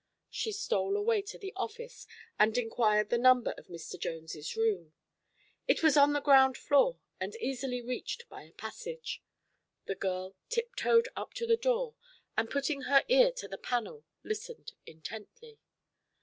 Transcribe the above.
She stole away to the office and inquired the number of Mr. Jones' room. It was on the ground floor and easily reached by a passage. The girl tiptoed up to the door and putting her ear to the panel listened intently.